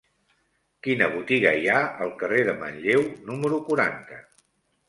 Quina botiga hi ha al carrer de Manlleu número quaranta?